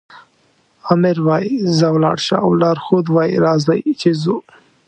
آمر وایي ځه ولاړ شه او لارښود وایي راځئ چې ځو.